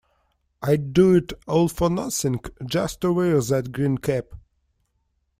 I'd do it all for nothing just to wear that green cap.